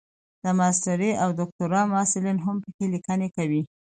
د ماسټرۍ او دوکتورا محصلین هم پکې لیکني کوي.